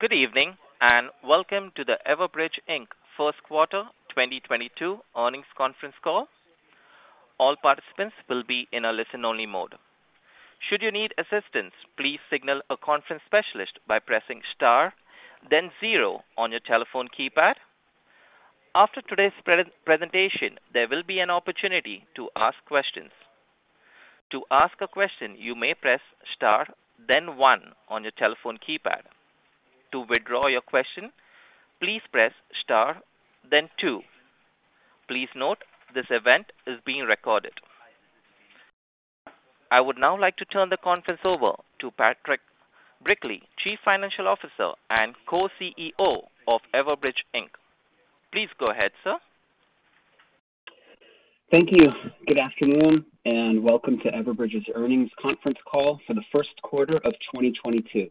Good evening, and welcome to the Everbridge, Inc. first quarter 2022 earnings conference call. All participants will be in a listen-only mode. Should you need assistance, please signal a conference specialist by pressing star then zero on your telephone keypad. After today's presentation, there will be an opportunity to ask questions. To ask a question, you may press star then one on your telephone keypad. To withdraw your question, please press star then two. Please note this event is being recorded. I would now like to turn the conference over to Patrick Brickley, Chief Financial Officer and Co-CEO of Everbridge, Inc. Please go ahead, sir. Thank you. Good afternoon, and welcome to Everbridge's earnings conference call for the first quarter of 2022.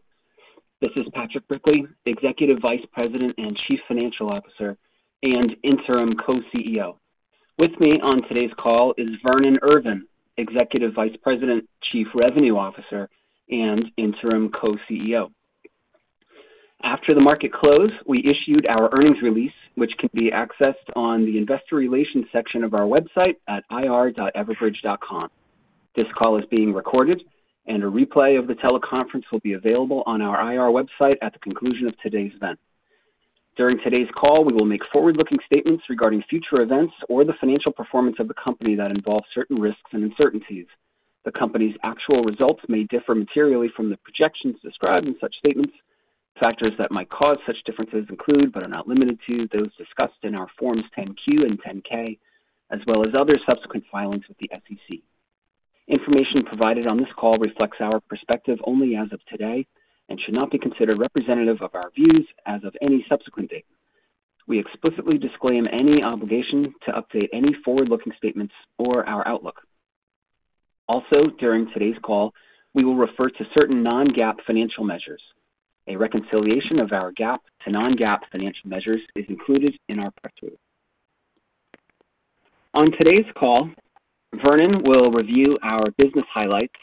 This is Patrick Brickley, Executive Vice President and Chief Financial Officer and Interim Co-CEO. With me on today's call is Vernon Irvin, Executive Vice President, Chief Revenue Officer, and Interim Co-CEO. After the market closed, we issued our earnings release, which can be accessed on the investor relations section of our website at ir.everbridge.com. This call is being recorded, and a replay of the teleconference will be available on our IR website at the conclusion of today's event. During today's call, we will make forward-looking statements regarding future events or the financial performance of the company that involves certain risks and uncertainties. The company's actual results may differ materially from the projections described in such statements. Factors that might cause such differences include, but are not limited to, those discussed in our Forms 10-Q and 10-K, as well as other subsequent filings with the SEC. Information provided on this call reflects our perspective only as of today and should not be considered representative of our views as of any subsequent date. We explicitly disclaim any obligation to update any forward-looking statements or our outlook. Also, during today's call, we will refer to certain non-GAAP financial measures. A reconciliation of our GAAP to non-GAAP financial measures is included in our press release. On today's call, Vernon will review our business highlights,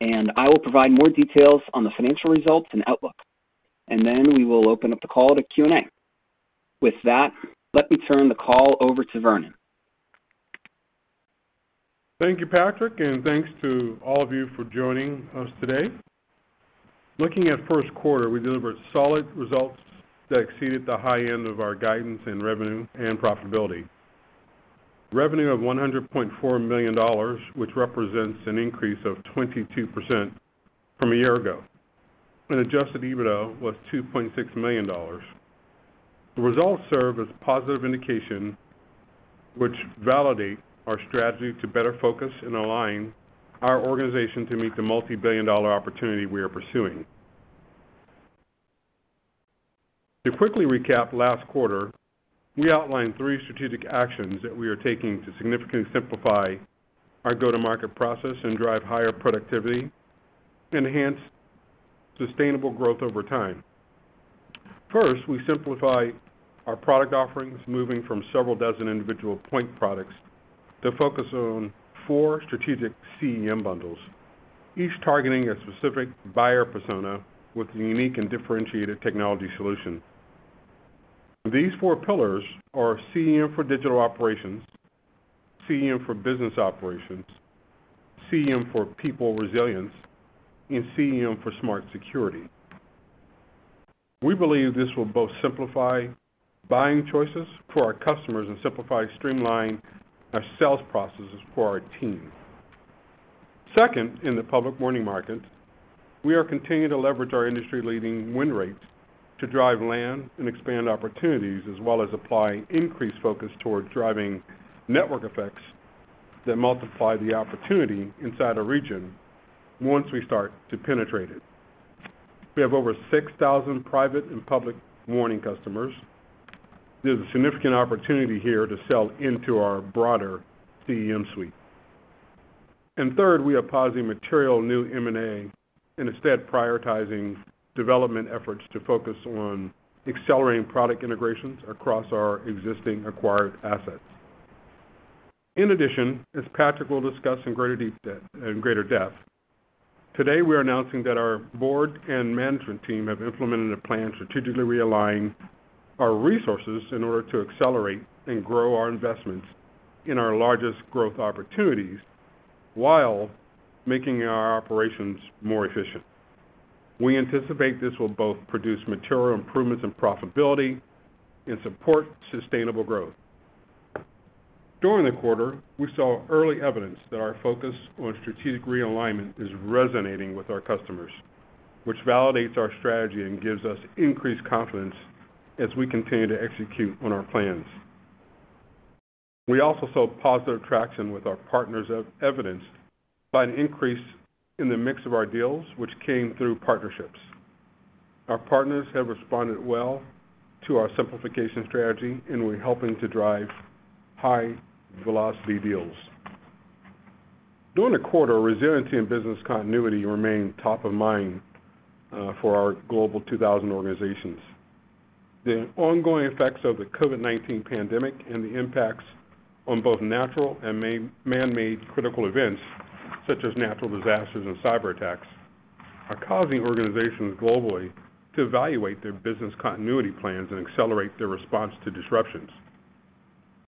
and I will provide more details on the financial results and outlook. Then we will open up the call to Q&A. With that, let me turn the call over to Vernon. Thank you, Patrick, and thanks to all of you for joining us today. Looking at first quarter, we delivered solid results that exceeded the high end of our guidance in revenue and profitability. Revenue of $100.4 million, which represents an increase of 22% from a year ago. Adjusted EBITDA was $2.6 million. The results serve as positive indication which validate our strategy to better focus and align our organization to meet the multi-billion dollar opportunity we are pursuing. To quickly recap, last quarter, we outlined three strategic actions that we are taking to significantly simplify our go-to-market process and drive higher productivity, enhance sustainable growth over time. First, we simplify our product offerings, moving from several dozen individual point products to focus on four strategic CEM bundles, each targeting a specific buyer persona with a unique and differentiated technology solution. These four pillars are CEM for digital operations, CEM for business operations, CEM for people resilience, and CEM for smart security. We believe this will both simplify buying choices for our customers and simplify and streamline our sales processes for our team. Second, in the public warning market, we are continuing to leverage our industry-leading win rates to drive land and expand opportunities, as well as apply increased focus toward driving network effects that multiply the opportunity inside a region once we start to penetrate it. We have over 6,000 private and public warning customers. There's a significant opportunity here to sell into our broader CEM suite. Third, we are pausing material new M&A and instead prioritizing development efforts to focus on accelerating product integrations across our existing acquired assets. In addition, as Patrick will discuss in greater depth, today we're announcing that our board and management team have implemented a plan strategically realigning our resources in order to accelerate and grow our investments in our largest growth opportunities while making our operations more efficient. We anticipate this will both produce material improvements in profitability and support sustainable growth. During the quarter, we saw early evidence that our focus on strategic realignment is resonating with our customers, which validates our strategy and gives us increased confidence as we continue to execute on our plans. We also saw positive traction with our partners, evidenced by an increase in the mix of our deals, which came through partnerships. Our partners have responded well to our simplification strategy, and we're helping to drive high-velocity deals. During the quarter, resiliency and business continuity remained top of mind for our global 2,000 organizations. The ongoing effects of the COVID-19 pandemic and the impacts on both natural and man-made critical events, such as natural disasters and cyberattacks, are causing organizations globally to evaluate their business continuity plans and accelerate their response to disruptions.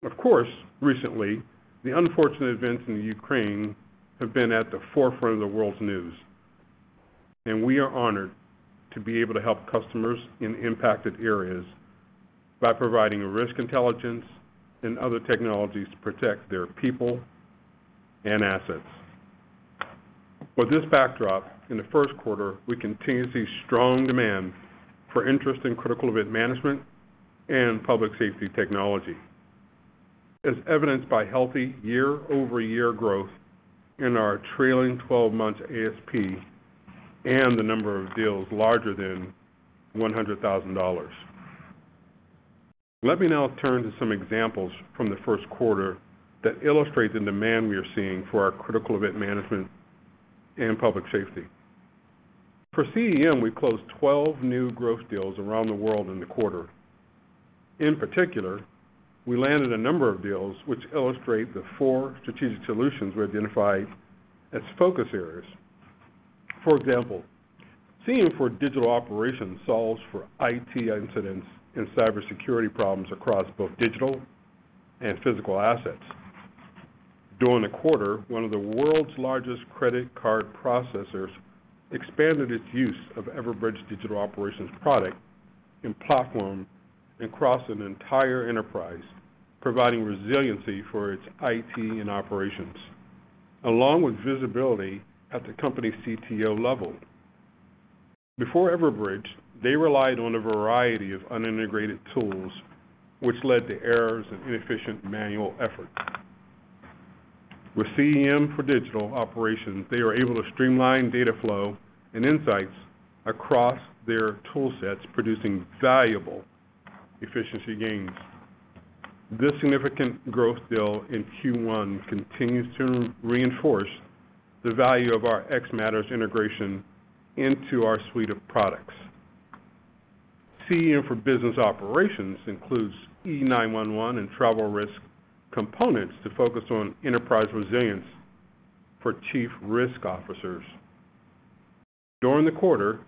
Of course, recently, the unfortunate events in Ukraine have been at the forefront of the world's news, and we are honored to be able to help customers in impacted areas by providing risk intelligence and other technologies to protect their people and assets. With this backdrop, in the first quarter, we continue to see strong demand and interest in critical event management and public safety technology, as evidenced by healthy year-over-year growth in our trailing 12-month ASP and the number of deals larger than $100,000. Let me now turn to some examples from the first quarter that illustrate the demand we are seeing for our critical event management and public safety. For CEM, we closed 12 new growth deals around the world in the quarter. In particular, we landed a number of deals which illustrate the four strategic solutions we identified as focus areas. For example, CEM for digital operations solves for IT incidents and cybersecurity problems across both digital and physical assets. During the quarter, one of the world's largest credit card processors expanded its use of Everbridge Digital Operations product and platform across an entire enterprise, providing resiliency for its IT and operations, along with visibility at the company CTO level. Before Everbridge, they relied on a variety of unintegrated tools, which led to errors and inefficient manual efforts. With CEM for Digital Operations, they are able to streamline data flow and insights across their tool sets, producing valuable efficiency gains. This significant growth deal in Q1 continues to reinforce the value of our xMatters integration into our suite of products. CEM for Business Operations includes E911 and travel risk components to focus on enterprise resilience for chief risk officers. During the quarter,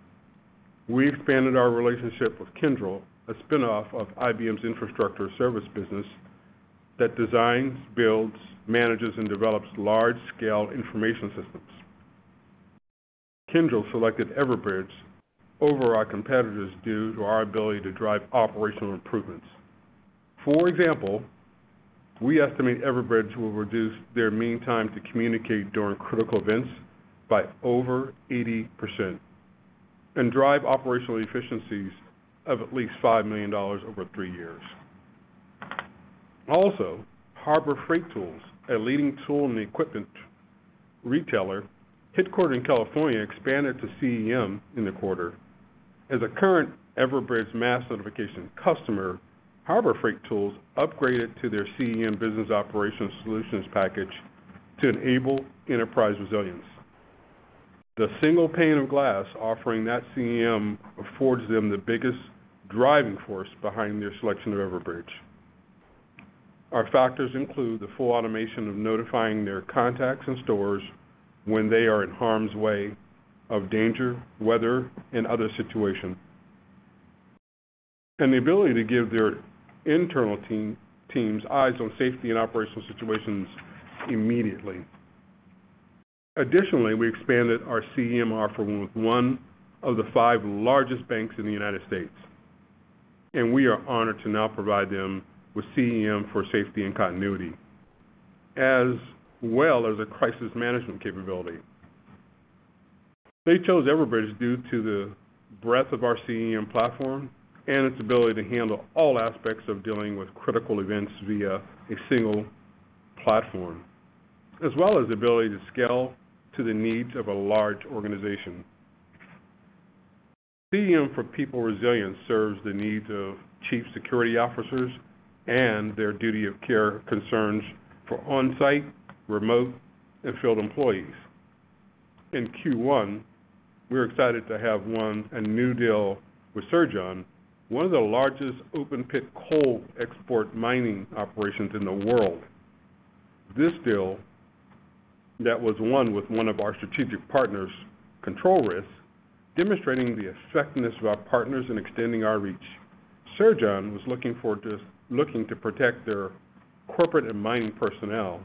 we expanded our relationship with Kyndryl, a spinoff of IBM's infrastructure service business that designs, builds, manages, and develops large-scale information systems. Kyndryl selected Everbridge over our competitors due to our ability to drive operational improvements. For example, we estimate Everbridge will reduce their mean time to communicate during critical events by over 80% and drive operational efficiencies of at least $5 million over three years. Harbor Freight Tools, a leading tool and equipment retailer headquartered in California, expanded to CEM in the quarter. As a current Everbridge mass notification customer, Harbor Freight Tools upgraded to their CEM for Business Operations solutions package to enable enterprise resilience. The single pane of glass offering that CEM affords was the biggest driving force behind their selection of Everbridge. The factors include the full automation of notifying their contacts and stores when they are in harm's way of danger, weather, and other situations, and the ability to give their internal teams eyes on safety and operational situations immediately. Additionally, we expanded our CEM offering with one of the five largest banks in the United States, and we are honored to now provide them with CEM for safety and continuity, as well as a crisis management capability. They chose Everbridge due to the breadth of our CEM platform and its ability to handle all aspects of dealing with critical events via a single platform, as well as the ability to scale to the needs of a large organization. CEM for People Resilience serves the needs of chief security officers and their duty of care concerns for on-site, remote, and field employees. In Q1, we're excited to have won a new deal with Cerrejón, one of the largest open-pit coal export mining operations in the world. This deal that was won with one of our strategic partners, Control Risks, demonstrating the effectiveness of our partners in extending our reach. Cerrejón was looking to protect their corporate and mining personnel,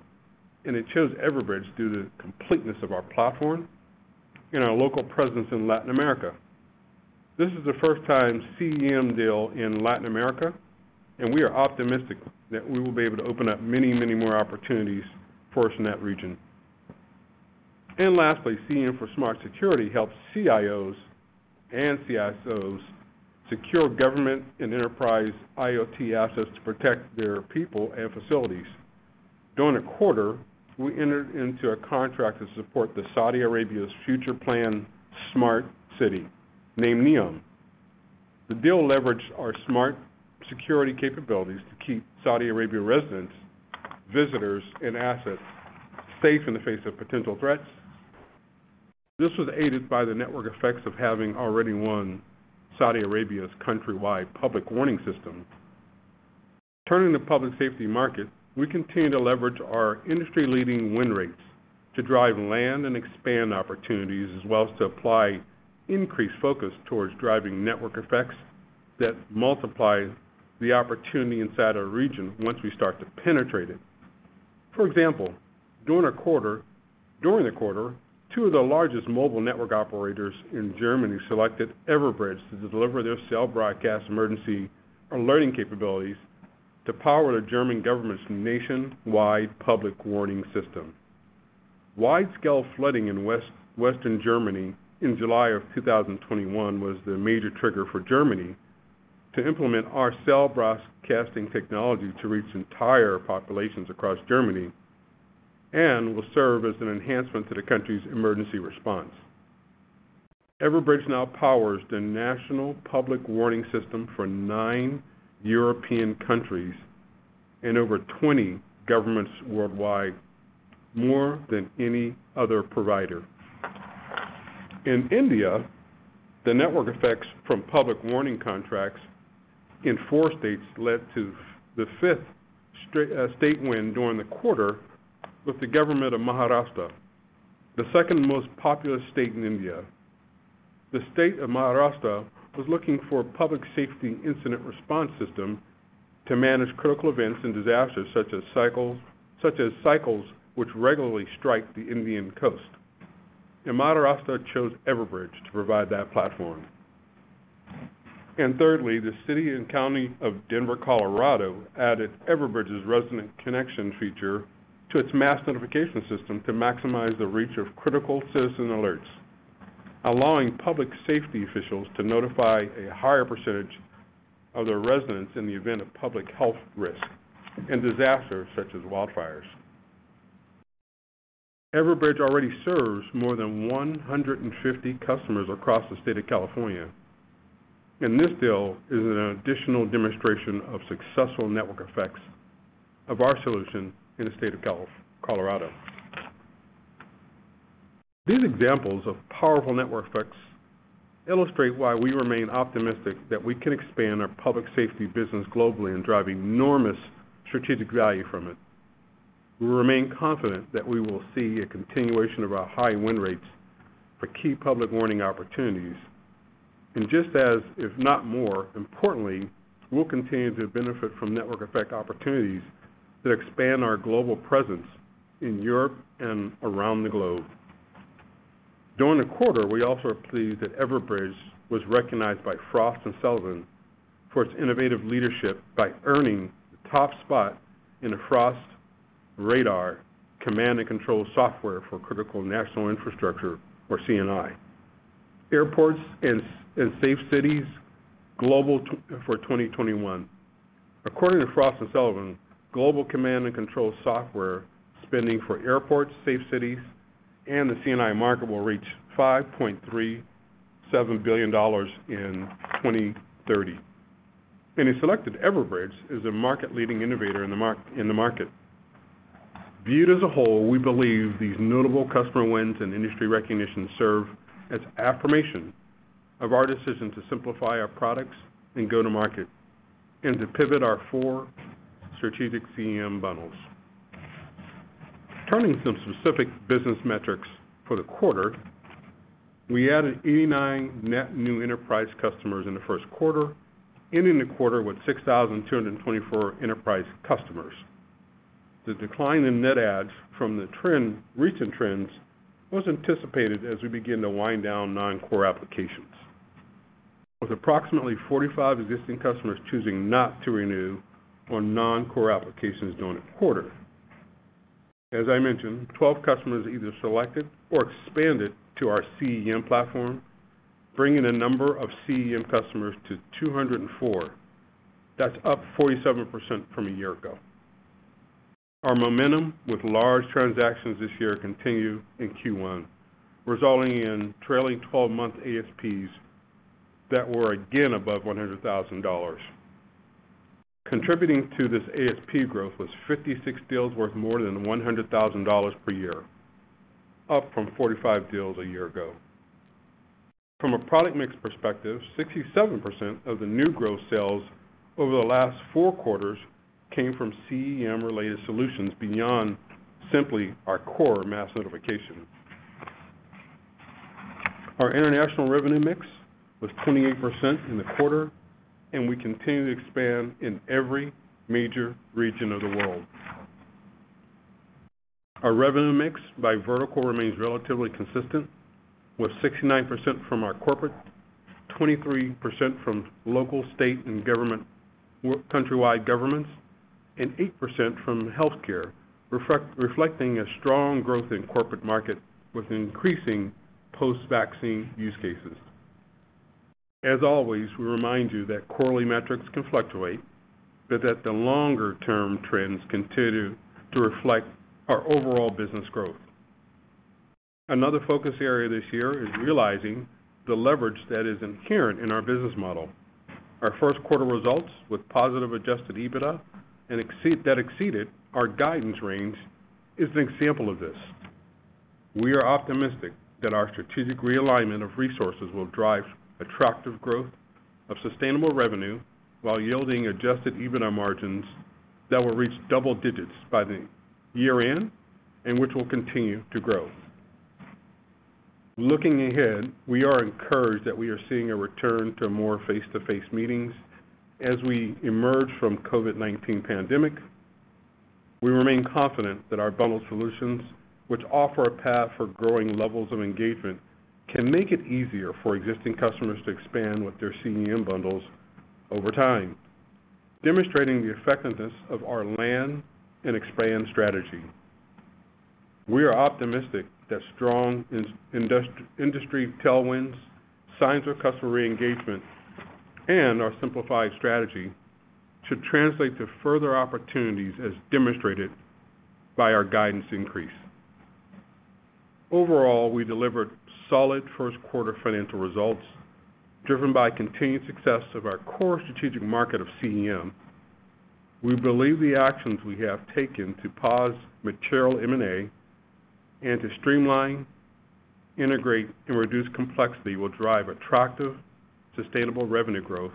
and it chose Everbridge due to the completeness of our platform and our local presence in Latin America. This is the first-time CEM deal in Latin America, and we are optimistic that we will be able to open up many, many more opportunities for us in that region. Lastly, CEM for smart security helps CIOs and CSOs secure government and enterprise IoT assets to protect their people and facilities. During the quarter, we entered into a contract to support Saudi Arabia's future planned smart city, named NEOM. The deal leveraged our smart security capabilities to keep Saudi Arabia residents, visitors, and assets safe in the face of potential threats. This was aided by the network effects of having already won Saudi Arabia's countrywide public warning system. Turning to public safety market, we continue to leverage our industry-leading win rates to drive land and expand opportunities, as well as to apply increased focus towards driving network effects that multiply the opportunity inside a region once we start to penetrate it. For example, during the quarter, two of the largest mobile network operators in Germany selected Everbridge to deliver their cell broadcast emergency alerting capabilities to power the German government's nationwide public warning system. Wide-scale flooding in Western Germany in July of 2021 was the major trigger for Germany to implement our cell broadcasting technology to reach entire populations across Germany, and will serve as an enhancement to the country's emergency response. Everbridge now powers the national public warning system for nine European countries and over 20 governments worldwide, more than any other provider. In India, the network effects from public warning contracts in four states led to the fifth state win during the quarter with the government of Maharashtra, the second most populous state in India. The state of Maharashtra was looking for a public safety incident response system to manage critical events and disasters such as cycles which regularly strike the Indian coast, and Maharashtra chose Everbridge to provide that platform. Thirdly, the City and County of Denver, Colorado added Everbridge's Resident Connection feature to its mass notification system to maximize the reach of critical citizen alerts, allowing public safety officials to notify a higher percentage of their residents in the event of public health risks and disasters such as wildfires. Everbridge already serves more than 150 customers across the state of California, and this deal is an additional demonstration of successful network effects of our solution in the state of Colorado. These examples of powerful network effects illustrate why we remain optimistic that we can expand our public safety business globally and drive enormous strategic value from it. We remain confident that we will see a continuation of our high win rates for key public warning opportunities. Just as, if not more importantly, we'll continue to benefit from network effect opportunities that expand our global presence in Europe and around the globe. During the quarter, we also are pleased that Everbridge was recognized by Frost & Sullivan for its innovative leadership by earning the top spot in the Frost Radar Command and Control Software for Critical National Infrastructure, or CNI. Airports and Safe Cities Global for 2021. According to Frost & Sullivan, global command and control software spending for airports, safe cities, and the CNI market will reach $5.37 billion in 2030, and it selected Everbridge as a market-leading innovator in the market. Viewed as a whole, we believe these notable customer wins and industry recognitions serve as affirmation of our decision to simplify our products and go to market and to pivot our four strategic CEM bundles. Turning to some specific business metrics for the quarter, we added 89 net new enterprise customers in the first quarter, ending the quarter with 6,224 enterprise customers. The decline in net adds from recent trends was anticipated as we begin to wind down non-core applications, with approximately 45 existing customers choosing not to renew on non-core applications during the quarter. As I mentioned, 12 customers either selected or expanded to our CEM platform, bringing the number of CEM customers to 204. That's up 47% from a year ago. Our momentum with large transactions this year continue in Q1, resulting in trailing twelve-month ASPs that were again above $100,000. Contributing to this ASP growth was 56 deals worth more than $100,000 per year, up from 45 deals a year ago. From a product mix perspective, 67% of the new growth sales over the last four quarters came from CEM-related solutions beyond simply our core mass notification. Our international revenue mix was 28% in the quarter, and we continue to expand in every major region of the world. Our revenue mix by vertical remains relatively consistent, with 69% from our corporate, 23% from local, state, and countrywide governments, and 8% from healthcare, reflecting a strong growth in corporate market with increasing post-vaccine use cases. As always, we remind you that quarterly metrics can fluctuate, but that the longer-term trends continue to reflect our overall business growth. Another focus area this year is realizing the leverage that is inherent in our business model. Our first quarter results with positive adjusted EBITDA and that exceeded our guidance range is an example of this. We are optimistic that our strategic realignment of resources will drive attractive growth of sustainable revenue while yielding adjusted EBITDA margins that will reach double digits by the year-end and which will continue to grow. Looking ahead, we are encouraged that we are seeing a return to more face-to-face meetings as we emerge from COVID-19 pandemic. We remain confident that our bundled solutions, which offer a path for growing levels of engagement, can make it easier for existing customers to expand with their CEM bundles over time, demonstrating the effectiveness of our land and expand strategy. We are optimistic that strong industry tailwinds, signs of customer re-engagement, and our simplified strategy should translate to further opportunities as demonstrated by our guidance increase. Overall, we delivered solid first quarter financial results driven by continued success of our core strategic market of CEM. We believe the actions we have taken to pause material M&A and to streamline, integrate, and reduce complexity will drive attractive, sustainable revenue growth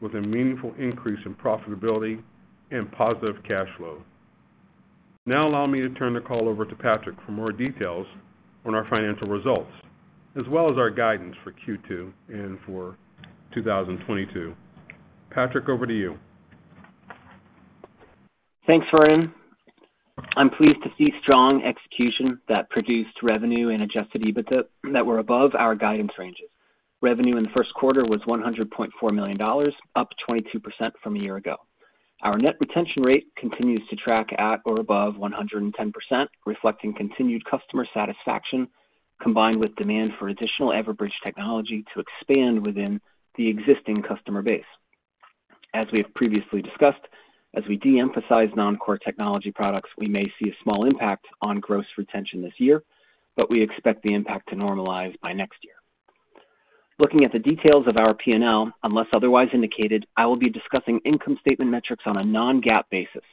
with a meaningful increase in profitability and positive cash flow. Now allow me to turn the call over to Patrick for more details on our financial results, as well as our guidance for Q2 and for 2022. Patrick, over to you. Thanks, Vernon. I'm pleased to see strong execution that produced revenue and adjusted EBITDA that were above our guidance ranges. Revenue in the first quarter was $100.4 million, up 22% from a year ago. Our net retention rate continues to track at or above 110%, reflecting continued customer satisfaction combined with demand for additional Everbridge technology to expand within the existing customer base. As we have previously discussed, as we de-emphasize non-core technology products, we may see a small impact on gross retention this year, but we expect the impact to normalize by next year. Looking at the details of our P&L, unless otherwise indicated, I will be discussing income statement metrics on a non-GAAP basis.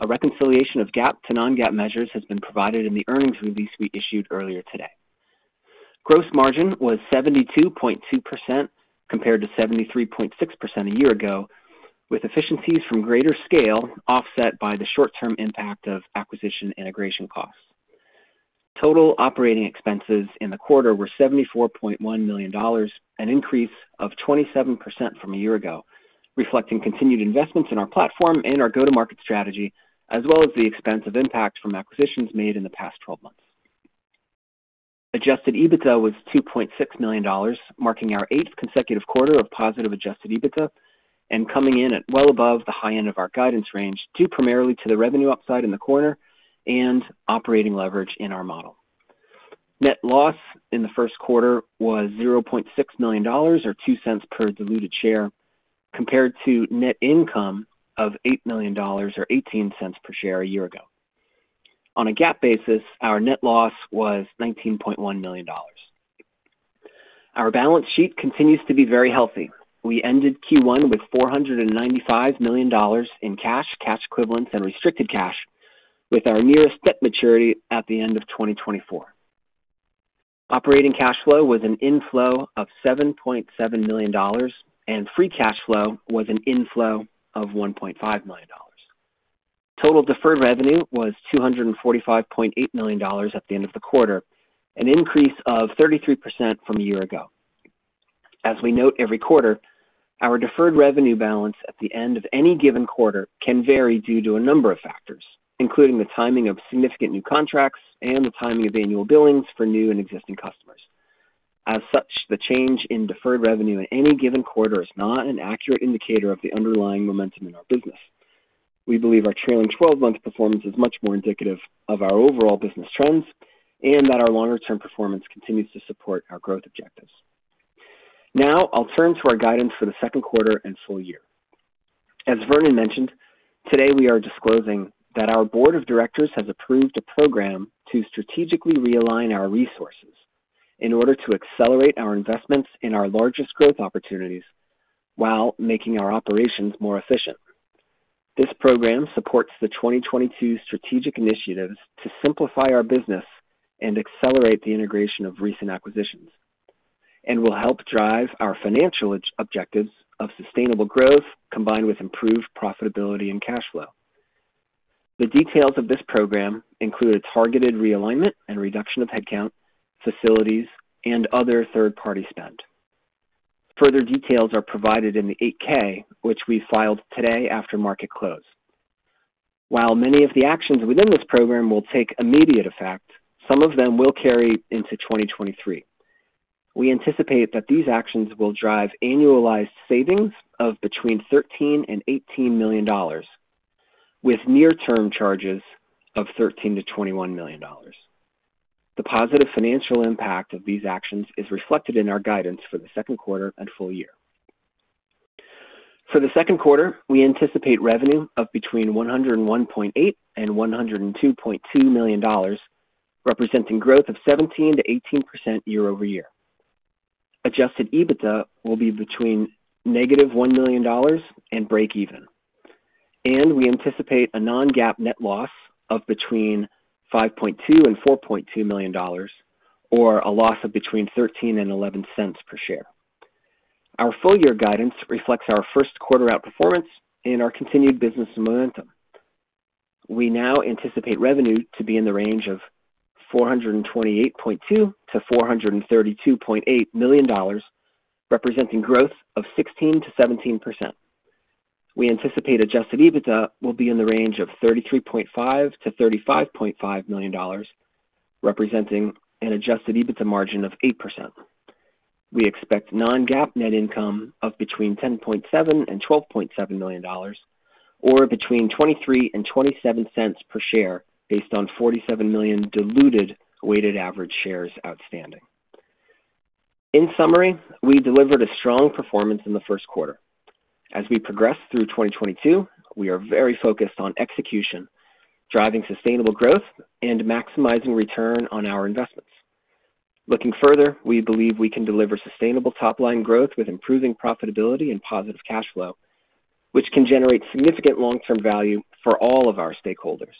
A reconciliation of GAAP to non-GAAP measures has been provided in the earnings release we issued earlier today. Gross margin was 72.2% compared to 73.6% a year ago, with efficiencies from greater scale offset by the short-term impact of acquisition integration costs. Total operating expenses in the quarter were $74.1 million, an increase of 27% from a year ago, reflecting continued investments in our platform and our go-to-market strategy, as well as the expensive impact from acquisitions made in the past twelve months. Adjusted EBITDA was $2.6 million, marking our eighth consecutive quarter of positive adjusted EBITDA and coming in at well above the high end of our guidance range, due primarily to the revenue upside in the quarter and operating leverage in our model. Net loss in the first quarter was $0.6 million or $0.02 per diluted share, compared to net income of $8 million or $0.18 per share a year ago. On a GAAP basis, our net loss was $19.1 million. Our balance sheet continues to be very healthy. We ended Q1 with $495 million in cash equivalents and restricted cash with our nearest debt maturity at the end of 2024. Operating cash flow was an inflow of $7.7 million and free cash flow was an inflow of $1.5 million. Total deferred revenue was $245.8 million at the end of the quarter, an increase of 33% from a year ago. As we note every quarter, our deferred revenue balance at the end of any given quarter can vary due to a number of factors, including the timing of significant new contracts and the timing of annual billings for new and existing customers. As such, the change in deferred revenue at any given quarter is not an accurate indicator of the underlying momentum in our business. We believe our trailing 12-month performance is much more indicative of our overall business trends and that our longer-term performance continues to support our growth objectives. Now I'll turn to our guidance for the second quarter and full year. As Vernon mentioned, today we are disclosing that our board of directors has approved a program to strategically realign our resources in order to accelerate our investments in our largest growth opportunities while making our operations more efficient. This program supports the 2022 strategic initiatives to simplify our business and accelerate the integration of recent acquisitions, and will help drive our financial objectives of sustainable growth combined with improved profitability and cash flow. The details of this program include a targeted realignment and reduction of headcount, facilities and other third-party spend. Further details are provided in the 8-K, which we filed today after market close. While many of the actions within this program will take immediate effect, some of them will carry into 2023. We anticipate that these actions will drive annualized savings of between $13 million and $18 million with near term charges of $13 million-$21 million. The positive financial impact of these actions is reflected in our guidance for the second quarter and full year. For the second quarter, we anticipate revenue of between $101.8 million and $102.2 million. Representing growth of 17%-18% year-over-year. Adjusted EBITDA will be between -$1 million and break even. We anticipate a non-GAAP net loss of between $5.2 million and $4.2 million, or a loss of between 13 and 11 cents per share. Our full year guidance reflects our first quarter outperformance and our continued business momentum. We now anticipate revenue to be in the range of $428.2 million-$432.8 million, representing growth of 16%-17%. We anticipate adjusted EBITDA will be in the range of $33.5 million-$35.5 million, representing an adjusted EBITDA margin of 8%. We expect non-GAAP net income of between $10.7 million and $12.7 million, or between 23 and 27 cents per share based on 47 million diluted weighted average shares outstanding. In summary, we delivered a strong performance in the first quarter. As we progress through 2022, we are very focused on execution, driving sustainable growth, and maximizing return on our investments. Looking further, we believe we can deliver sustainable top line growth with improving profitability and positive cash flow, which can generate significant long-term value for all of our stakeholders.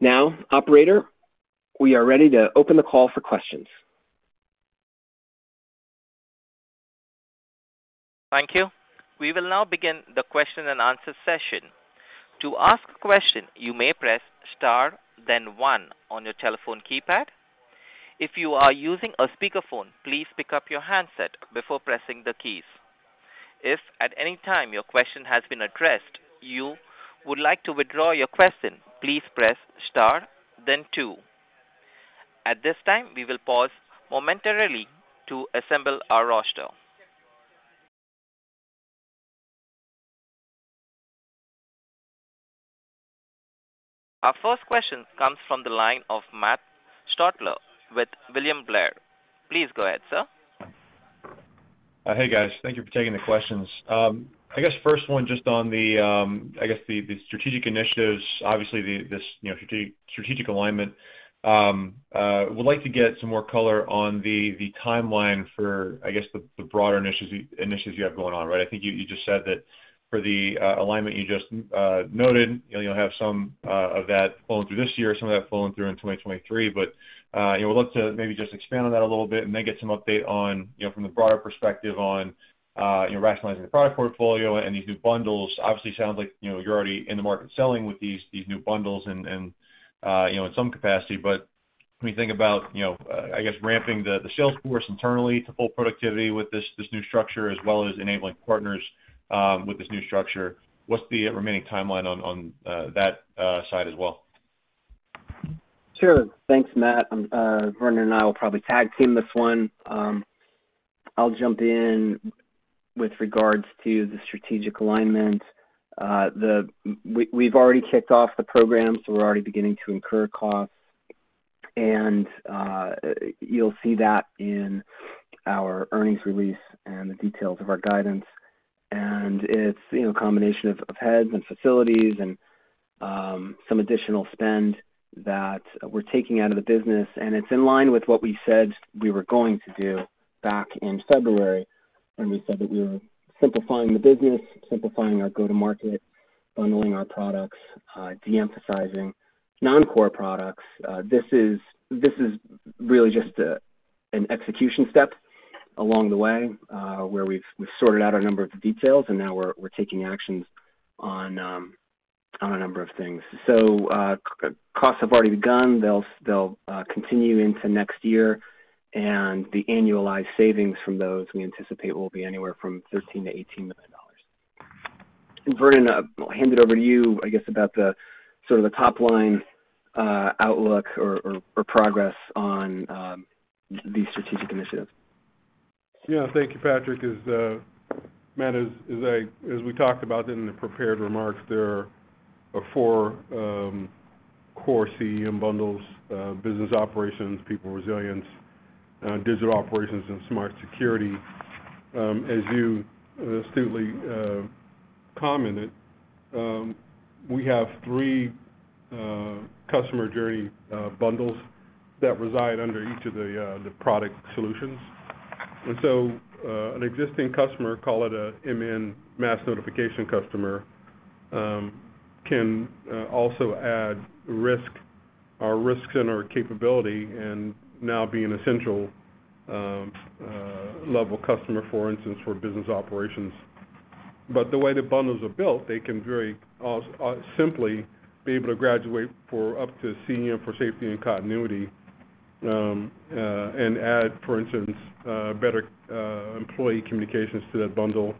Now, operator, we are ready to open the call for questions. Thank you. We will now begin the question and answer session. To ask a question, you may press star then one on your telephone keypad. If you are using a speakerphone, please pick up your handset before pressing the keys. If at any time your question has been addressed, you would like to withdraw your question, please press star then two. At this time, we will pause momentarily to assemble our roster. Our first question comes from the line of Matt Stotler with William Blair. Please go ahead, sir. Hey, guys. Thank you for taking the questions. I guess first one just on the strategic initiatives, obviously this strategic alignment. Would like to get some more color on the timeline for the broader initiatives you have going on, right? I think you just said that for the alignment you just noted, you know, you'll have some of that flowing through this year, some of that flowing through in 2023. You know, would love to maybe just expand on that a little bit and then get some update on, you know, from the broader perspective on, you know, rationalizing the product portfolio and these new bundles. Obviously sounds like, you know, you're already in the market selling with these new bundles and, you know, in some capacity. When you think about, you know, I guess ramping the sales force internally to full productivity with this new structure as well as enabling partners with this new structure, what's the remaining timeline on that side as well? Sure. Thanks, Matt. Vernon and I will probably tag team this one. I'll jump in with regards to the strategic alignment. We've already kicked off the program, so we're already beginning to incur costs. You'll see that in our earnings release and the details of our guidance. It's, you know, a combination of heads and facilities and some additional spend that we're taking out of the business, and it's in line with what we said we were going to do back in February when we said that we were simplifying the business, simplifying our go-to-market, bundling our products, de-emphasizing non-core products. This is really just an execution step along the way, where we've sorted out a number of the details, and now we're taking actions on a number of things. Costs have already begun. They'll continue into next year, and the annualized savings from those we anticipate will be anywhere from $13 million-$18 million. Vernon, I'll hand it over to you, I guess, about the sort of top-line outlook or progress on the strategic initiatives. Yeah. Thank you, Patrick. Matt, as we talked about in the prepared remarks, there are four core CEM bundles, business operations, people resilience, digital operations, and smart security. As you astutely commented, we have three customer journey bundles that reside under each of the product solutions. An existing customer, call it a MN mass notification customer, can also add risk or risks in our capability and now be an essential level customer, for instance, for business operations. The way the bundles are built, they can very easily simply be able to graduate up to CEM for safety and continuity, and add, for instance, better employee communications to that bundle,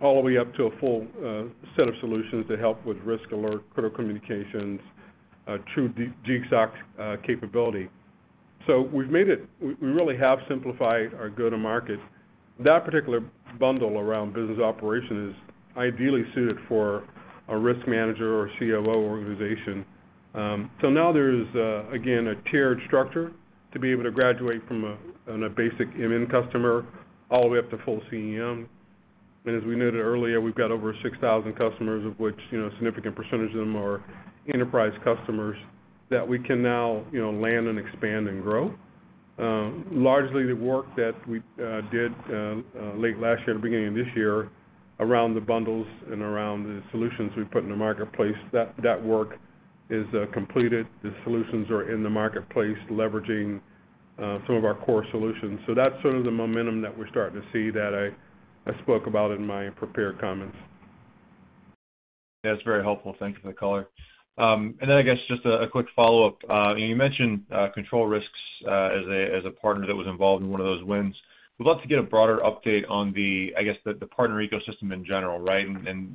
all the way up to a full set of solutions to help with risk alert, critical communications, true DSOC capability. We've made it. We really have simplified our go-to-market. That particular bundle around business operations is ideally suited for a risk manager or COO organization. Now there's again a tiered structure to be able to graduate from a basic MN customer all the way up to full CEM. As we noted earlier, we've got over 6,000 customers, of which, you know, a significant percentage of them are enterprise customers that we can now, you know, land and expand and grow. Largely the work that we did late last year, beginning of this year around the bundles and around the solutions we put in the marketplace, that work is completed. The solutions are in the marketplace leveraging some of our core solutions. That's sort of the momentum that we're starting to see that I spoke about in my prepared comments. That's very helpful. Thank you for the color. I guess just a quick follow-up. You mentioned Control Risks as a partner that was involved in one of those wins. We'd love to get a broader update on the partner ecosystem in general, right?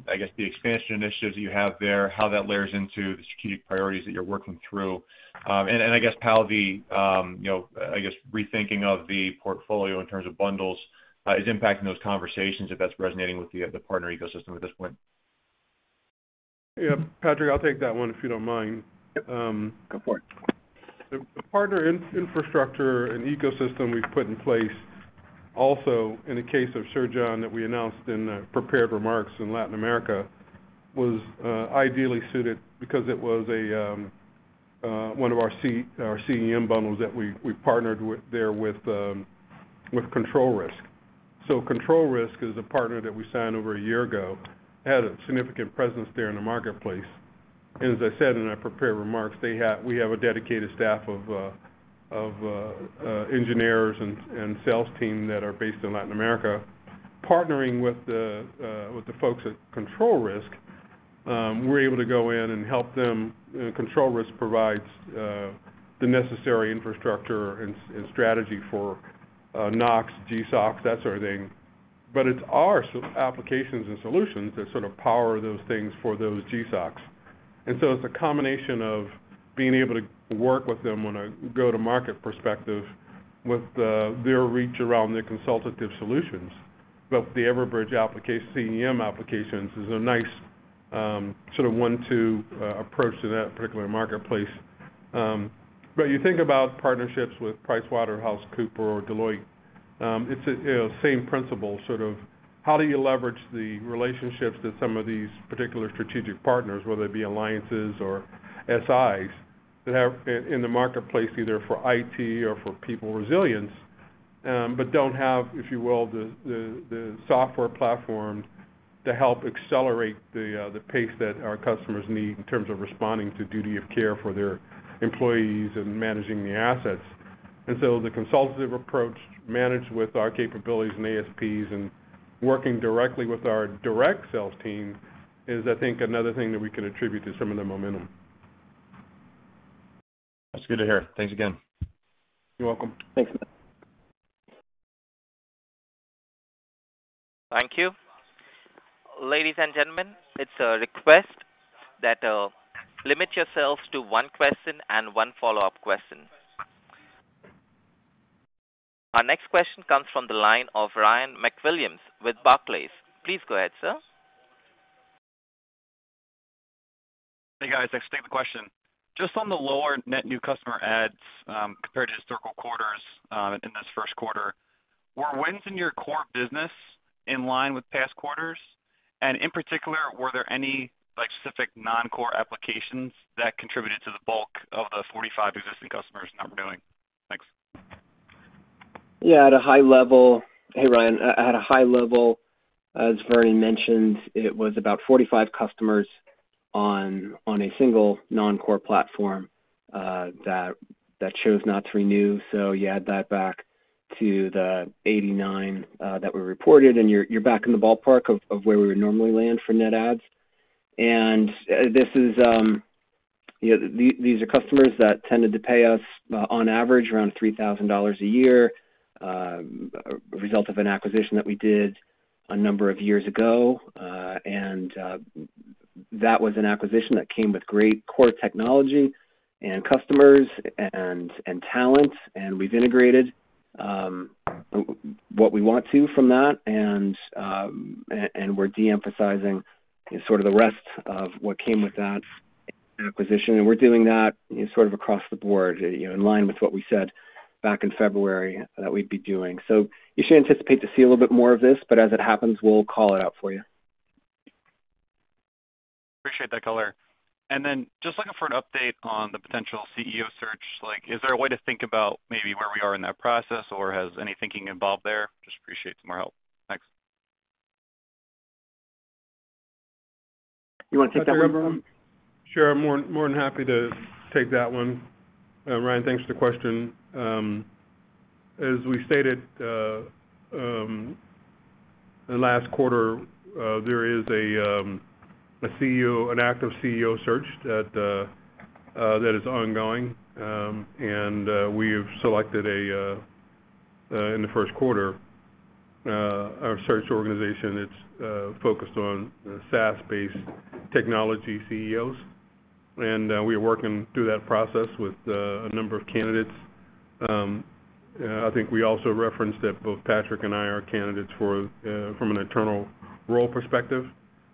I guess the expansion initiatives that you have there, how that layers into the strategic priorities that you're working through. I guess how the you know rethinking of the portfolio in terms of bundles is impacting those conversations, if that's resonating with the partner ecosystem at this point. Yeah, Patrick, I'll take that one if you don't mind. Yep. Go for it. The partner infrastructure and ecosystem we've put in place also in the case of Cerrejón that we announced in the prepared remarks in Latin America was ideally suited because it was one of our CEM bundles that we partnered with there with Control Risks. Control Risks is a partner that we signed over a year ago, had a significant presence there in the marketplace. As I said in our prepared remarks, we have a dedicated staff of engineers and sales team that are based in Latin America. Partnering with the folks at Control Risks, we're able to go in and help them. Control Risks provides the necessary infrastructure and strategy for NOC, GSOC, that sort of thing. It's our sort of applications and solutions that sort of power those things for those GSOCs. It's a combination of being able to work with them on a go-to-market perspective with their reach around their consultative solutions. The Everbridge CEM applications is a nice sort of one, two approach to that particular marketplace. You think about partnerships with PricewaterhouseCoopers or Deloitte, it's a, you know, same principle, sort of how do you leverage the relationships that some of these particular strategic partners, whether it be alliances or SIs that have in the marketplace either for IT or for people resilience, but don't have, if you will, the software platform to help accelerate the pace that our customers need in terms of responding to duty of care for their employees and managing the assets. The consultative approach managed with our capabilities and ASPs and working directly with our direct sales team is I think another thing that we can attribute to some of the momentum. That's good to hear. Thanks again. You're welcome. Thanks. Thank you. Ladies and gentlemen, it's a request that limit yourselves to one question and one follow-up question. Our next question comes from the line of Ryan MacWilliams with Barclays. Please go ahead, sir. Hey, guys. Thanks. Great question. Just on the lower net new customer adds, compared to historical quarters, in this first quarter, were wins in your core business in line with past quarters? In particular, were there any like specific non-core applications that contributed to the bulk of the 45 existing customers not renewing? Thanks. Yeah. At a high level. Hey, Ryan. At a high level, as Vernon mentioned, it was about 45 customers on a single non-core platform that chose not to renew. You add that back to the 89 that were reported, and you're back in the ballpark of where we would normally land for net adds. This is, you know, these are customers that tended to pay us on average around $3,000 a year, a result of an acquisition that we did a number of years ago. That was an acquisition that came with great core technology and customers and talent, and we've integrated what we want to from that. We're de-emphasizing sort of the rest of what came with that acquisition. We're doing that, you know, sort of across the board, you know, in line with what we said back in February that we'd be doing. You should anticipate to see a little bit more of this, but as it happens, we'll call it out for you. Appreciate that color. Just looking for an update on the potential CEO search. Like, is there a way to think about maybe where we are in that process, or has any thinking involved there? Just appreciate some more help. Thanks. You wanna take that, Vernon? Sure. I'm more than happy to take that one. Ryan, thanks for the question. As we stated last quarter, there is a CEO, an active CEO search that is ongoing. We have selected, in the first quarter, our search organization. It's focused on the SaaS-based technology CEOs. We are working through that process with a number of candidates. I think we also referenced that both Patrick and I are candidates for, from an internal role perspective.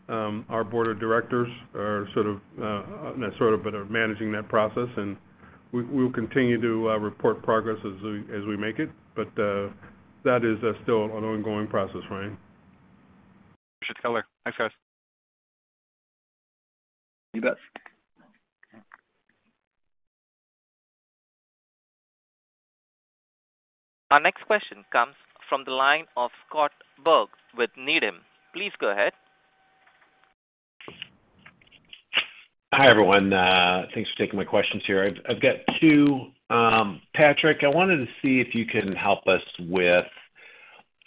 Our board of directors are sort of, not sort of, but are managing that process. We, we'll continue to report progress as we make it, but that is still an ongoing process, Ryan. Appreciate the color. Thanks, guys. You bet. Our next question comes from the line of Scott Berg with Needham. Please go ahead. Hi, everyone. Thanks for taking my questions here. I've got two. Patrick, I wanted to see if you can help us with,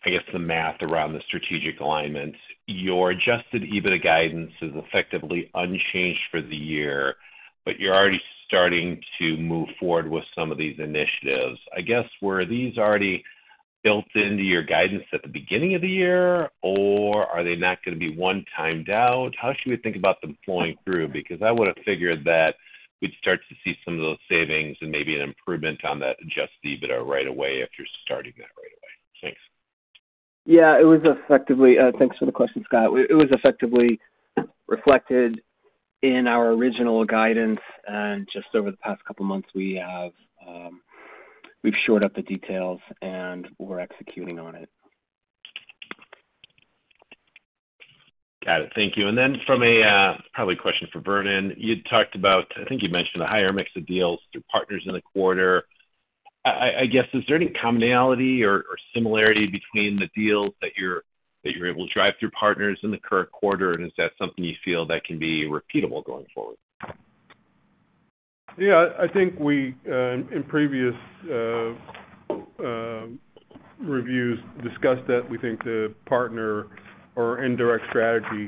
I guess, the math around the strategic alignment. Your adjusted EBITDA guidance is effectively unchanged for the year, but you're already starting to move forward with some of these initiatives. I guess, were these already built into your guidance at the beginning of the year, or are they not gonna be one-timed out? How should we think about them flowing through? Because I would've figured that we'd start to see some of those savings and maybe an improvement on that adjusted EBITDA right away if you're starting that right away? Thanks. Thanks for the question, Scott. It was effectively reflected in our original guidance, and just over the past couple months, we've shored up the details, and we're executing on it. Got it. Thank you. Then from a probably a question for Vernon. You'd talked about, I think you mentioned a higher mix of deals through partners in the quarter. I guess, is there any commonality or similarity between the deals that you're able to drive through partners in the current quarter? Is that something you feel that can be repeatable going forward? Yeah. I think we in previous reviews discussed that we think the partner and indirect strategy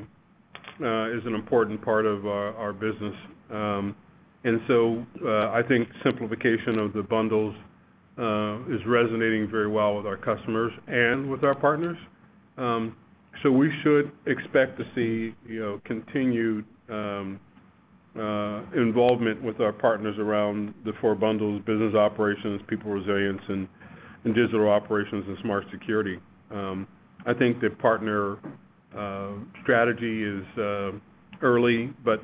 is an important part of our business. I think simplification of the bundles is resonating very well with our customers and with our partners. We should expect to see, you know, continued involvement with our partners around the four bundles, Business Operations, People Resilience, Digital Operations, and Smart Security. I think the partner strategy is early but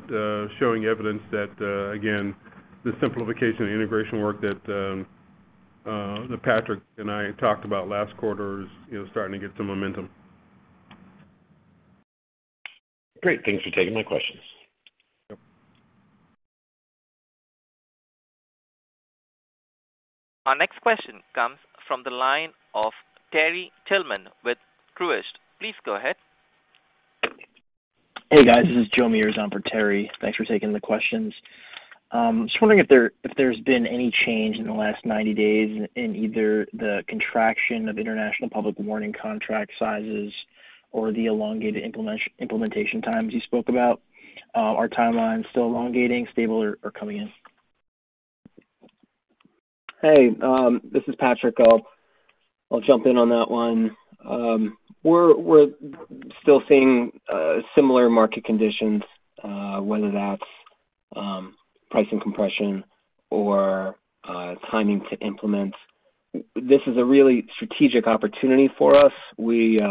showing evidence that again the simplification and integration work that Patrick and I talked about last quarter is, you know, starting to get some momentum. Great. Thanks for taking my questions. Yep. Our next question comes from the line of Terry Tillman with Truist. Please go ahead. Hey, guys. This is Joe Meares for Terry. Thanks for taking the questions. Just wondering if there's been any change in the last 90 days in either the contraction of international public warning contract sizes or the elongated implementation times you spoke about. Are timelines still elongating, stable or coming in? Hey, this is Patrick. I'll jump in on that one. We're still seeing similar market conditions, whether that's pricing compression or timing to implement. This is a really strategic opportunity for us. We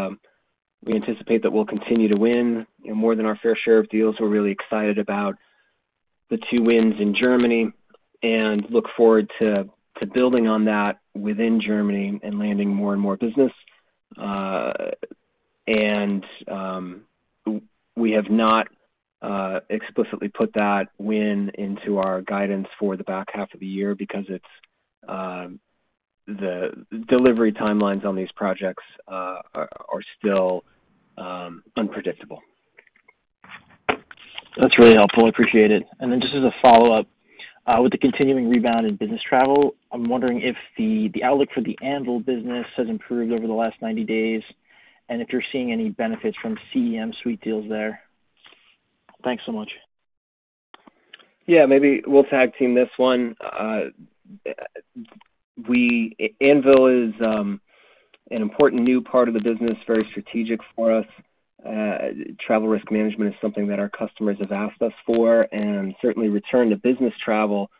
anticipate that we'll continue to win, you know, more than our fair share of deals. We're really excited about the two wins in Germany and look forward to building on that within Germany and landing more and more business. We have not explicitly put that win into our guidance for the back half of the year because the delivery timelines on these projects are still unpredictable. That's really helpful. I appreciate it. Just as a follow-up, with the continuing rebound in business travel, I'm wondering if the outlook for the Anvil business has improved over the last 90 days and if you're seeing any benefits from CEM suite deals there? Thanks so much. Yeah. Maybe we'll tag team this one. Anvil is an important new part of the business, very strategic for us. Travel risk management is something that our customers have asked us for, and certainly return to business travel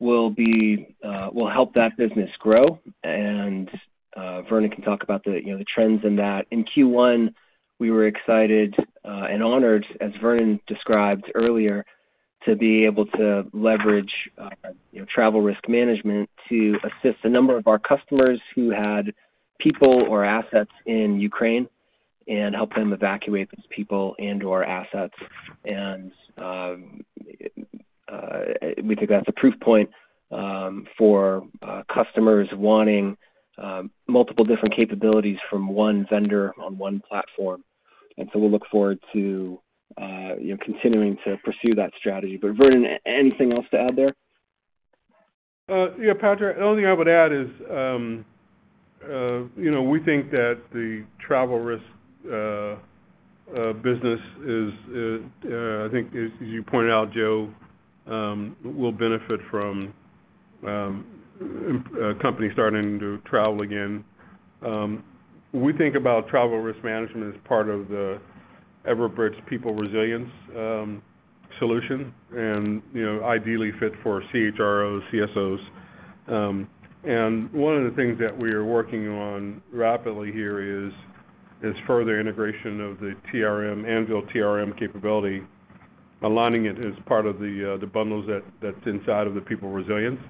will be will help that business grow, and Vernon can talk about the you know, the trends in that. In Q1, we were excited and honored, as Vernon described earlier, to be able to leverage you know, travel risk management to assist a number of our customers who had people or assets in Ukraine and help them evacuate those people and/or assets. We think that's a proof point for customers wanting multiple different capabilities from one vendor on one platform. We look forward to you know, continuing to pursue that strategy. Vernon, anything else to add there? Yeah, Patrick, only thing I would add is, you know, we think that the travel risk business is, I think as you pointed out, Joe, will benefit from companies starting to travel again. We think about travel risk management as part of the Everbridge People Resilience solution and, you know, ideally fit for CHROs, CSOs. One of the things that we are working on rapidly here is further integration of the TRM, Anvil TRM capability, aligning it as part of the bundles that's inside of the People Resilience.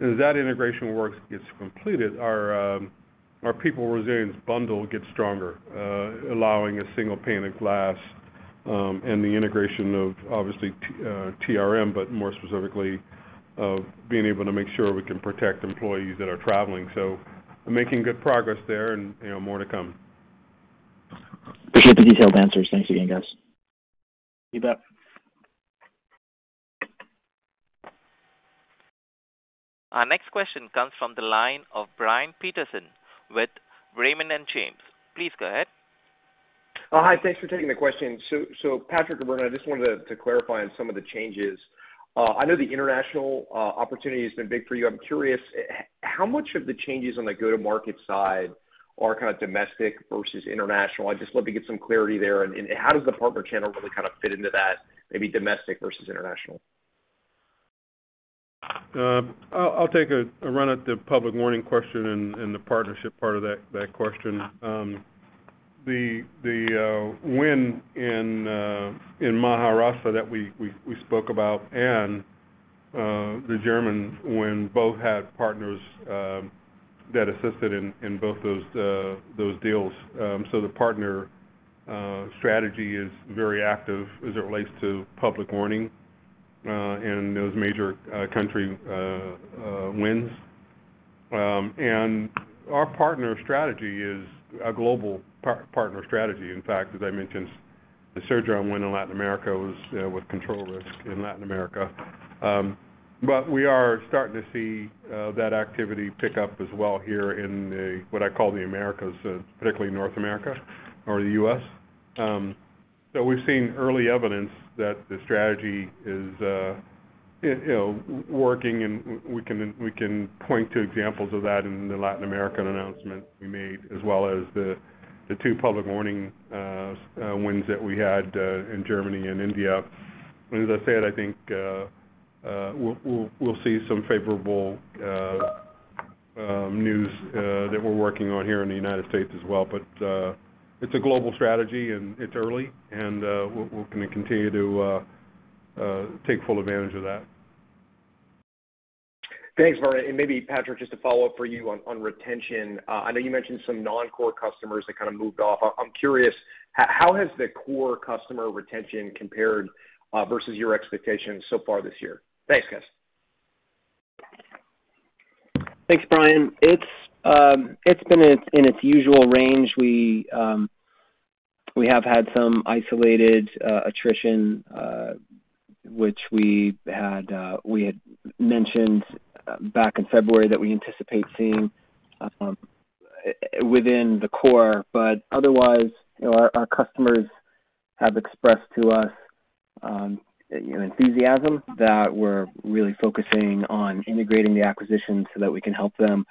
As that integration work gets completed, our People Resilience bundle gets stronger, allowing a single pane of glass and the integration of obviously TRM, but more specifically, of being able to make sure we can protect employees that are traveling. We're making good progress there and, you know, more to come. Appreciate the detailed answers. Thanks again, guys. You bet. Our next question comes from the line of Brian Peterson with Raymond James. Please go ahead. Oh, hi. Thanks for taking the question. Patrick and Vernon, I just wanted to clarify on some of the changes. I know the international opportunity has been big for you. I'm curious, how much of the changes on the go-to-market side are kind of domestic versus international? I'd just love to get some clarity there. How does the partner channel really kind of fit into that, maybe domestic versus international? I'll take a run at the public warning question and the partnership part of that question. The win in Maharashtra that we spoke about and the German win both had partners that assisted in both those deals. The partner strategy is very active as it relates to public warning and those major country wins. Our partner strategy is a global partner strategy. In fact, as I mentioned, the Cerrejón win in Latin America was with Control Risks in Latin America. We are starting to see that activity pick up as well here in what I call the Americas, particularly North America or the U.S. We've seen early evidence that the strategy is, you know, working, and we can point to examples of that in the Latin American announcement we made, as well as the two public warning wins that we had in Germany and India. As I said, I think we'll see some favorable news that we're working on here in the United States as well. It's a global strategy, and it's early, and we're gonna continue to take full advantage of that. Thanks, Vernon. Maybe Patrick, just to follow up for you on retention. I know you mentioned some non-core customers that kind of moved off. I'm curious, how has the core customer retention compared versus your expectations so far this year? Thanks, guys. Thanks, Brian. It's been in its usual range. We have had some isolated attrition, which we had mentioned back in February that we anticipate seeing within the core. Otherwise, you know, our customers have expressed to us, you know, enthusiasm that we're really focusing on integrating the acquisition so that we can help them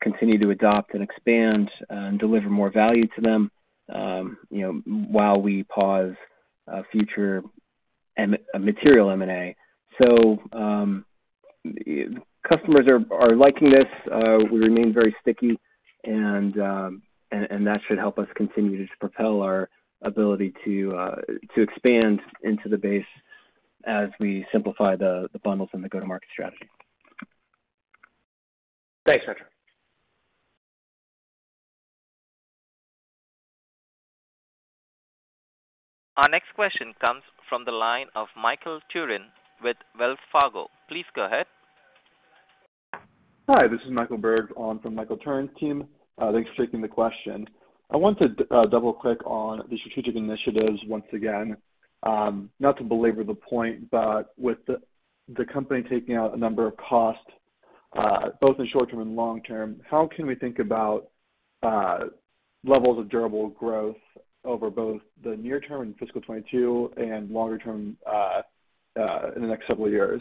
continue to adopt and expand and deliver more value to them, you know, while we pause future material M&A. Customers are liking this. We remain very sticky and that should help us continue to propel our ability to expand into the base as we simplify the bundles and the go-to-market strategy. Thanks, Patrick. Our next question comes from the line of Michael Turrin with Wells Fargo. Please go ahead. Hi, this is Michael Berg calling from Michael Turrin's team. Thanks for taking the question. I wanted to double-click on the strategic initiatives once again. Not to belabor the point, but with the company taking out a number of costs, both in short term and long term, how can we think about levels of durable growth over both the near term in fiscal 2022 and longer term, in the next several years?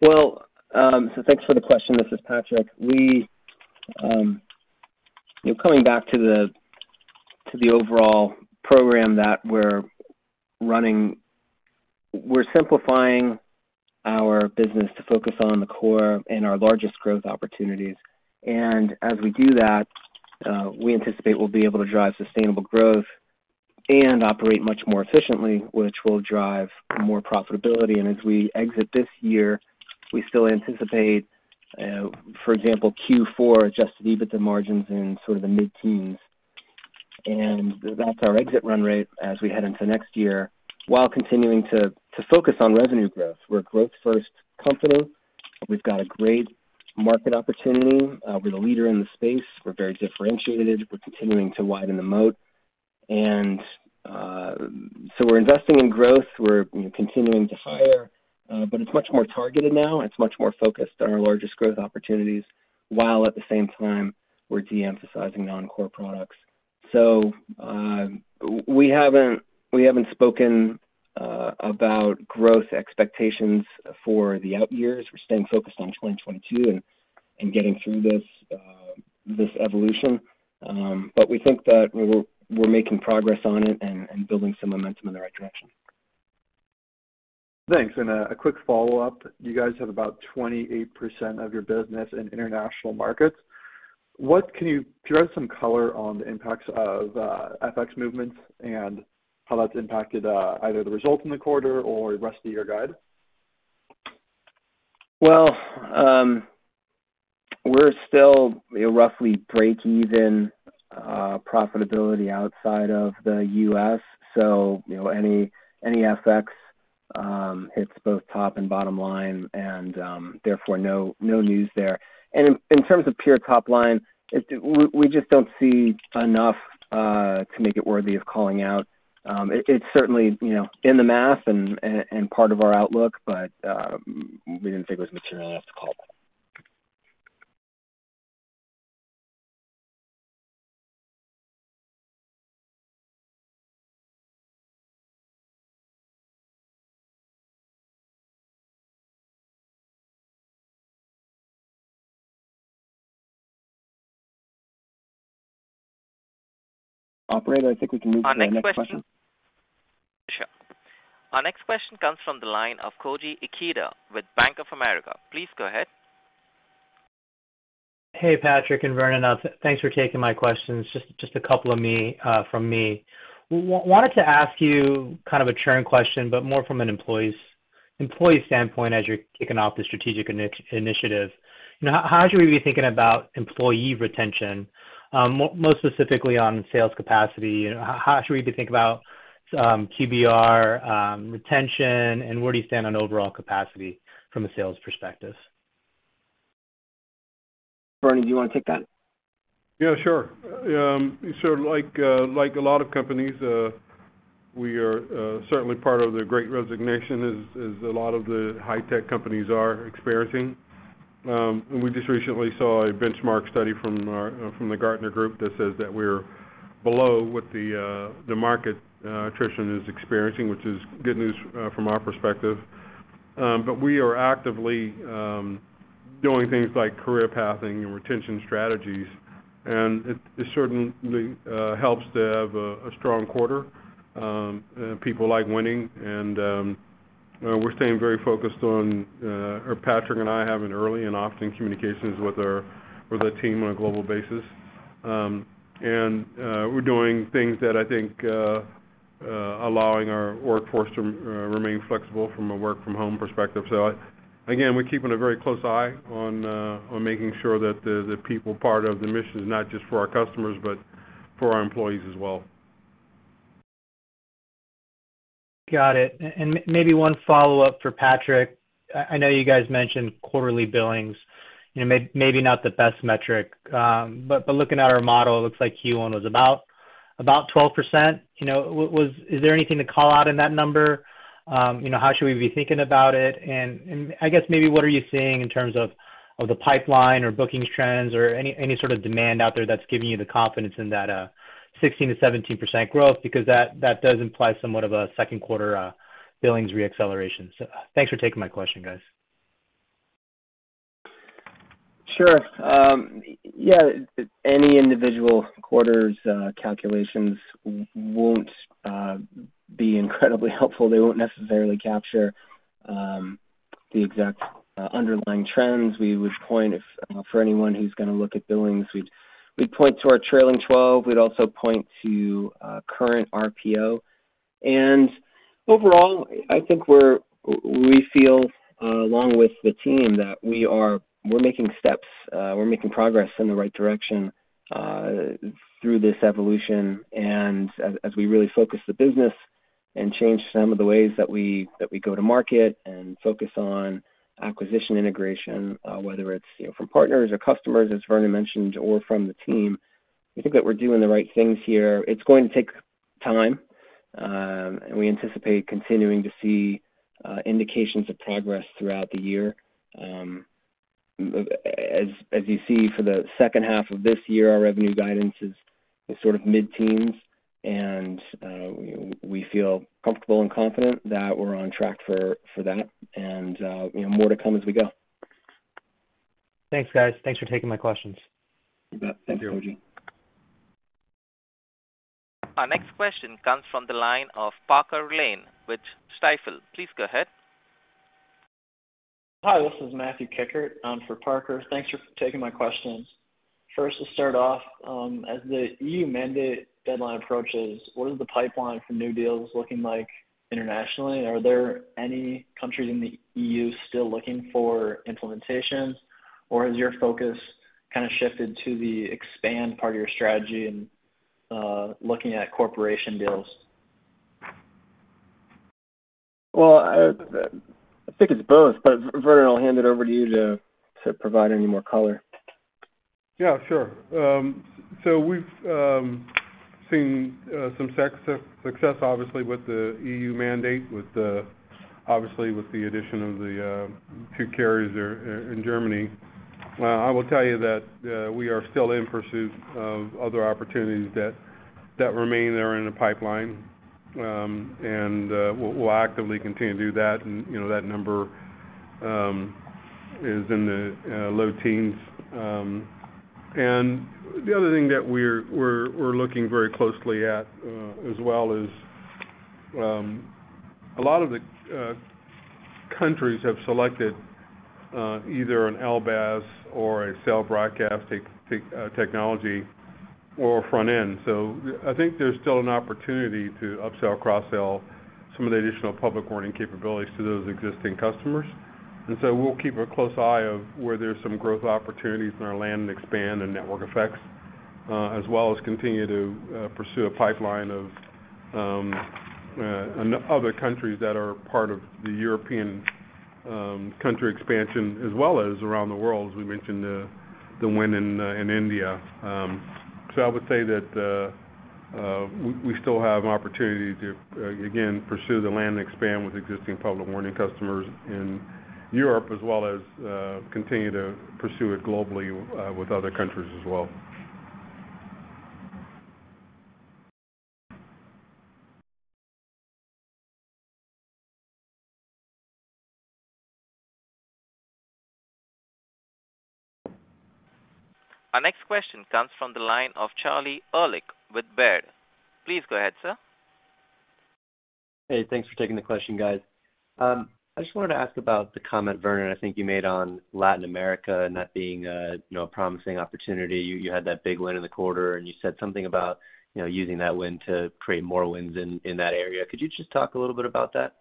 Well, thanks for the question. This is Patrick. You know, coming back to the overall program that we're running, we're simplifying our business to focus on the core and our largest growth opportunities. As we do that, we anticipate we'll be able to drive sustainable growth and operate much more efficiently, which will drive more profitability. As we exit this year, we still anticipate, for example, Q4 adjusted EBITDA margins in sort of the mid-teens. That's our exit run rate as we head into next year, while continuing to focus on revenue growth. We're a growth first company. We've got a great market opportunity. We're the leader in the space. We're very differentiated. We're continuing to widen the moat. We're investing in growth. You know, we're continuing to hire. It's much more targeted now, and it's much more focused on our largest growth opportunities, while at the same time, we're de-emphasizing non-core products. We haven't spoken about growth expectations for the out years. We're staying focused on 2022 and getting through this evolution. We think that we're making progress on it and building some momentum in the right direction. Thanks. A quick follow-up. You guys have about 28% of your business in international markets. Can you add some color on the impacts of FX movements and how that's impacted either the results in the quarter or rest of your guide? Well, we're still, you know, roughly break even profitability outside of the U.S. So, you know, any FX hits both top and bottom line, and therefore, no news there. In terms of pure top line, we just don't see enough to make it worthy of calling out. It's certainly, you know, in the math and part of our outlook, but we didn't think it was material enough to call out. Operator, I think we can move to the next question. Sure. Our next question comes from the line of Koji Ikeda with Bank of America. Please go ahead. Hey, Patrick and Vernon. Thanks for taking my questions. Just a couple from me. Wanted to ask you kind of a churn question, but more from an employee standpoint as you're kicking off the strategic initiative. You know, how should we be thinking about employee retention, most specifically on sales capacity? You know, how should we be thinking about QBR, retention, and where do you stand on overall capacity from a sales perspective? Vernon, do you wanna take that? Yeah, sure. Like, like a lot of companies, we are certainly part of the great resignation as a lot of the high-tech companies are experiencing. We just recently saw a benchmark study from the Gartner Group that says that we're below what the market attrition is experiencing, which is good news from our perspective. We are actively doing things like career pathing and retention strategies. It certainly helps to have a strong quarter. People like winning and, you know, we're staying very focused on, or Patrick and I have an early and often communications with the team on a global basis. We're doing things that I think allowing our workforce to remain flexible from a work-from-home perspective. Again, we're keeping a very close eye on making sure that the people part of the mission is not just for our customers, but for our employees as well. Got it. Maybe one follow-up for Patrick. I know you guys mentioned quarterly billings, you know, maybe not the best metric. But looking at our model, it looks like Q1 was about 12%. You know, was there anything to call out in that number? You know, how should we be thinking about it? I guess maybe what are you seeing in terms of the pipeline or bookings trends or any sort of demand out there that's giving you the confidence in that 16%-17% growth because that does imply somewhat of a second quarter billings re-acceleration. Thanks for taking my question, guys. Sure. Yeah, any individual quarters calculations won't be incredibly helpful. They won't necessarily capture the exact underlying trends. We would point, if for anyone who's gonna look at billings, we'd point to our trailing twelve. We'd also point to current RPO. Overall, I think we feel, along with the team that we're making steps, we're making progress in the right direction through this evolution. As we really focus the business and change some of the ways that we go to market and focus on acquisition integration, whether it's, you know, from partners or customers, as Vernon mentioned, or from the team, we think that we're doing the right things here. It's going to take time, and we anticipate continuing to see indications of progress throughout the year. As you see for the second half of this year, our revenue guidance is sort of mid-teens% and we feel comfortable and confident that we're on track for that and you know, more to come as we go. Thanks, guys. Thanks for taking my questions. You bet. Thank you, Koji. Thank you. Our next question comes from the line of Parker Lane with Stifel. Please go ahead. Hi, this is Matthew Kikkert for Parker. Thanks for taking my questions. First, to start off, as the EU mandate deadline approaches, what is the pipeline for new deals looking like internationally? Are there any countries in the EU still looking for implementations, or has your focus kind of shifted to the expand part of your strategy and looking at corporate deals? Well, I think it's both, but Vernon, I'll hand it over to you to provide any more color. Yeah, sure. So we've seen some success obviously with the EU mandate, obviously with the addition of the two carriers there in Germany. I will tell you that we are still in pursuit of other opportunities that remain there in the pipeline. We'll actively continue to do that. You know, that number is in the low teens. The other thing that we're looking very closely at as well is a lot of the countries have selected either an LBAS or a cell broadcast technology or front end. I think there's still an opportunity to upsell, cross-sell some of the additional public warning capabilities to those existing customers. We'll keep a close eye on where there's some growth opportunities in our land and expand and network effects, as well as continue to pursue a pipeline of other countries that are part of the European country expansion as well as around the world, as we mentioned, the win in India. I would say that we still have an opportunity to again pursue the land and expand with existing Public Warning customers in Europe, as well as continue to pursue it globally with other countries as well. Our next question comes from the line of Charlie Erlikh with Baird. Please go ahead, sir. Hey, thanks for taking the question, guys. I just wanted to ask about the comment, Vernon, I think you made on Latin America not being a, you know, promising opportunity. You had that big win in the quarter, and you said something about, you know, using that win to create more wins in that area. Could you just talk a little bit about that?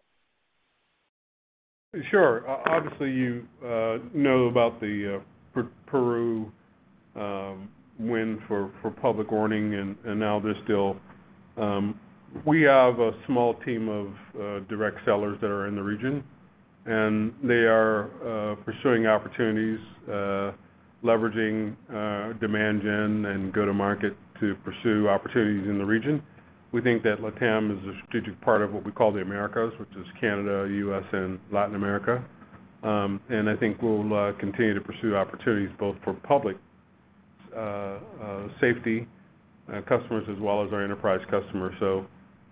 Obviously, you know about the Peru win for public warning and now there's still. We have a small team of direct sellers that are in the region, and they are pursuing opportunities leveraging demand gen and go-to-market to pursue opportunities in the region. We think that LATAM is a strategic part of what we call the Americas, which is Canada, U.S. and Latin America. I think we'll continue to pursue opportunities both for public safety customers as well as our enterprise customers.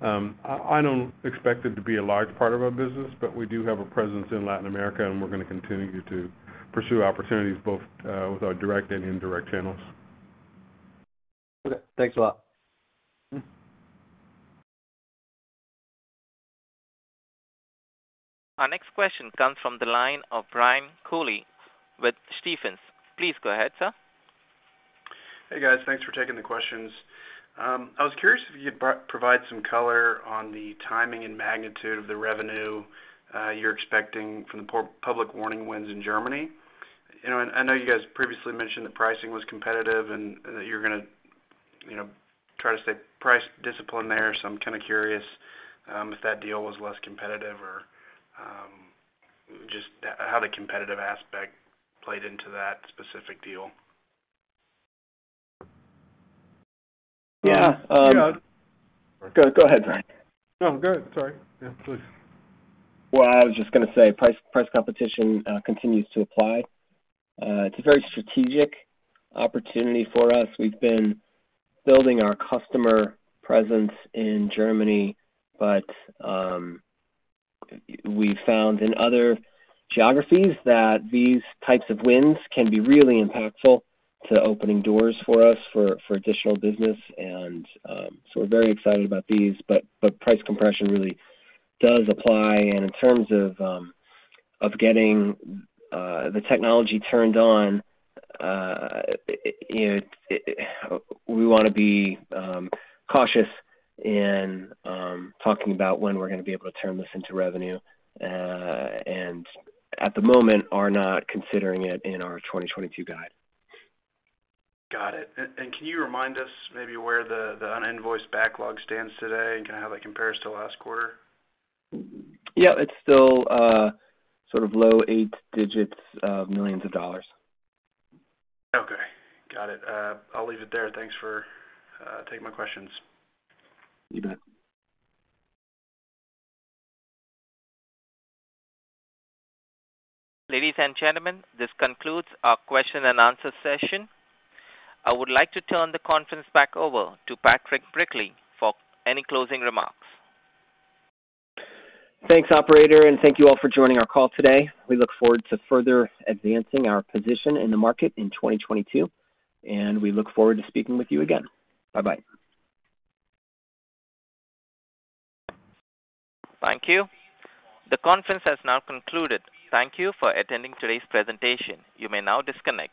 I don't expect it to be a large part of our business, but we do have a presence in Latin America, and we're gonna continue to pursue opportunities both with our direct and indirect channels. Okay, thanks a lot. Mm-hmm. Our next question comes from the line of Brian Colley with Stephens. Please go ahead, sir. Hey, guys. Thanks for taking the questions. I was curious if you'd provide some color on the timing and magnitude of the revenue you're expecting from the public warning wins in Germany. You know, and I know you guys previously mentioned the pricing was competitive and that you're gonna try to stay price discipline there. I'm kind of curious if that deal was less competitive or just how the competitive aspect played into that specific deal. Yeah. Yeah. Go ahead, Brian. No, go ahead. Sorry. Yeah, please. Well, I was just gonna say price competition continues to apply. It's a very strategic opportunity for us. We've been building our customer presence in Germany, but we've found in other geographies that these types of wins can be really impactful to opening doors for us for additional business and so we're very excited about these. Price compression really does apply. In terms of getting the technology turned on, we wanna be cautious in talking about when we're gonna be able to turn this into revenue. At the moment, we're not considering it in our 2022 guide. Got it. Can you remind us maybe where the uninvoiced backlog stands today and kind of how that compares to last quarter? Yeah. It's still, sort of low eight digits of millions of dollars. Okay, got it. I'll leave it there. Thanks for taking my questions. You bet. Ladies and gentlemen, this concludes our question and answer session. I would like to turn the conference back over to Patrick Brickley for any closing remarks. Thanks, operator, and thank you all for joining our call today. We look forward to further advancing our position in the market in 2022, and we look forward to speaking with you again. Bye-bye. Thank you. The conference has now concluded. Thank you for attending today's presentation. You may now disconnect.